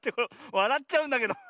わらっちゃうんだけど。